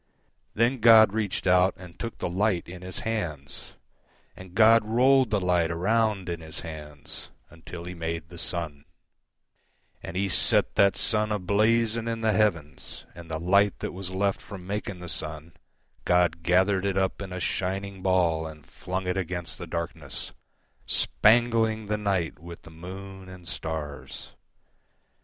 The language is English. Then God reached out and took the light in His hands, And God rolled the light around in His handsUntil He made the sun; And He set that sun a blazing in the heavens. And the light that was left from making the sunGod gathered it up in a shining ballAnd flung it against the darkness, Spangling the night with the moon and stars.